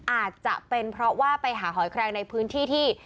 อาจจะเป็นเพราะว่าไปหาหอยแครงในพื้นที่ที่